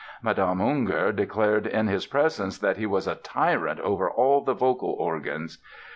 Mme. Unger declared in his presence that he was a "tyrant over all the vocal organs."